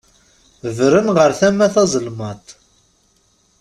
Bren ɣer tama taẓelmaṭ.